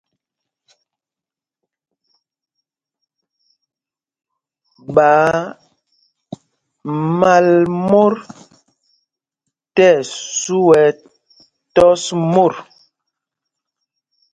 Ɓaa mal mot tí ɛsu ɛ tɔs mot.